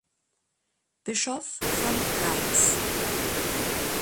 Bischof von Reims.